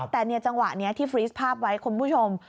แต่ในจังหวะนี้ที่ฟรีสภาพไว้คุณผู้ชม